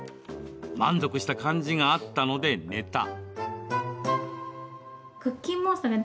満足した感じがあったので寝た。」